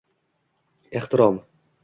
Ehtirom